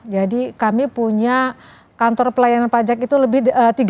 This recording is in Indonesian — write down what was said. jadi kami punya kantor pelayanan pajak itu lebih